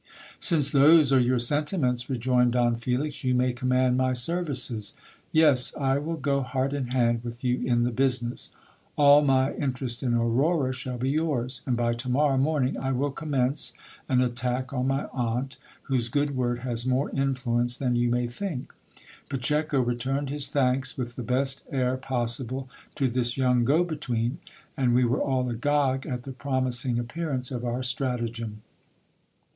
Since those are your sentiments, rejoined Don Felix, you may command my services. Yes, I will go heart and hand with you in the business. All my in terest in Aurora shall be yours ; and by to morrow morning I will commence an attack on my aunt, whose good word has more influence than you may think. Pacheco returned his thanks with the best air possible to this young go between, and we were all agog at the promising appearance of our stratagem.